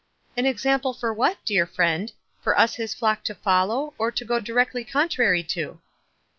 "An example for what, dear friend? For us his flock to follow, or to go directly contrary to?"